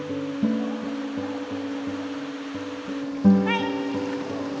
はい！